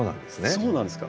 そうなんですか。